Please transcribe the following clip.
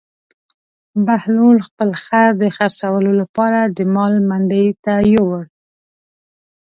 بهلول خپل خر د خرڅولو لپاره د مال منډي ته یووړ.